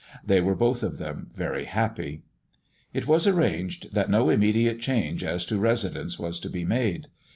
They were both of them very happy. It was arranged that no immediate change as to residence was to be made.